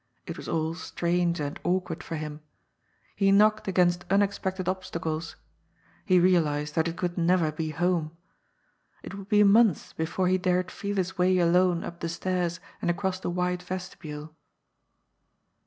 It was all strange and awkward for him. He knocked against unexpected ob stacles. He realized that it could never be home. It would be months before he dared feel his way alone up the stairs and across the wide vestibule.